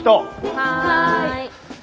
はい。